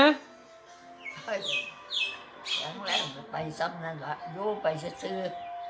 แข็งแรงไปซับนักฮะยูไปซะซื้อ